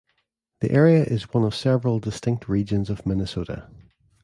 The area is one of several distinct regions of Minnesota.